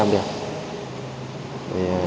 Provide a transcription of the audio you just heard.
để những cái gai